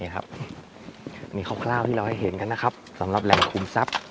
นี่ครับที่เราให้เห็นกันนะครับสำหรับแหล่งคุมทรัพย์